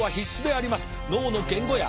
脳の言語野